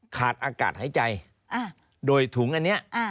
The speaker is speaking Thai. ขาดอากาศหายใจโดยถุงอันนี้